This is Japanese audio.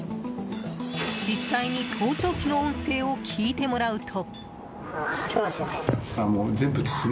実際に盗聴器の音声を聞いてもらうと。